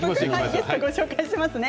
ゲストご紹介します。